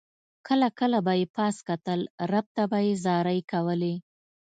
کله کله به یې پاس کتل رب ته به یې زارۍ کولې.